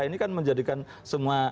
ini kan menjadikan semua